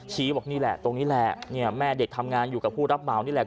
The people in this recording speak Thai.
บอกนี่แหละตรงนี้แหละเนี่ยแม่เด็กทำงานอยู่กับผู้รับเหมานี่แหละ